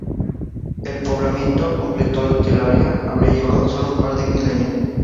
El poblamiento completo del área habría llevado sólo un par de milenios.